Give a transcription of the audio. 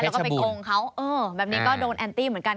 แล้วก็ไปโกงเขาเออแบบนี้ก็โดนแอนตี้เหมือนกัน